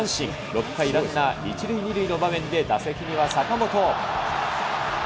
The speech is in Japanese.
６回、ランナー一塁二塁の場面で打席には坂本。